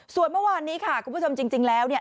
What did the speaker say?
ส่วนเมื่อวานนี้ค่ะคุณผู้ชมจริงแล้วเนี่ย